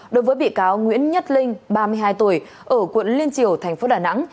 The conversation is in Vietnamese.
đối với bị cáo nguyễn nhất linh ba mươi hai tuổi ở quận liên triều tp đà nẵng